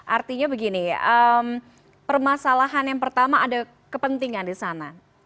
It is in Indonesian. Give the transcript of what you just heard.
artinya begini permasalahan yang pertama ada kepentingan di sana